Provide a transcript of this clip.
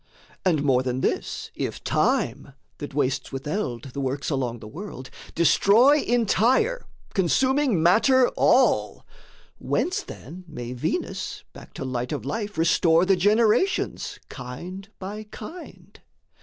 And more than this, if Time, That wastes with eld the works along the world, Destroy entire, consuming matter all, Whence then may Venus back to light of life Restore the generations kind by kind?